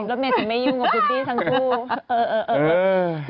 รถเมย์จะไม่ยุ่งกับคุณพี่ทั้งคู่